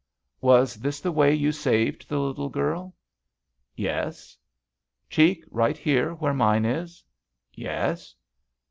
"Was this the way you saved the little girl?" "Yes." "Cheek right here, where mine is?" "Yes."